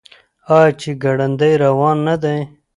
آیا چې ګړندی روان نه دی؟